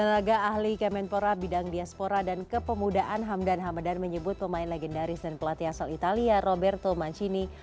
lembaga ahli kemenpora bidang diaspora dan kepemudaan hamdan hammedan menyebut pemain legendaris dan pelatih asal italia roberto mancini